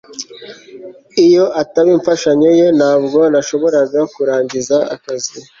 iyo ataba imfashanyo ye, ntabwo nashoboraga kurangiza akazi